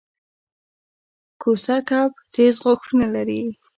کوسه کب تېز غاښونه لري